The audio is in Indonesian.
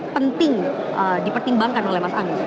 atau faktor yang cukup penting dipertimbangkan oleh mas anies